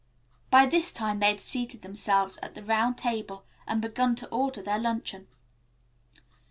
By this time they had seated themselves at the round table and begun to order their luncheon.